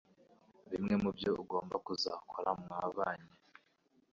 bimwe mu byo ugomba kuzakora mwabanye.